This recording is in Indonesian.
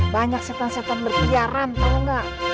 banyak setan setan berkejaran tahu nggak